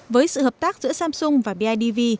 với sự hợp tác giữa samsung và bidv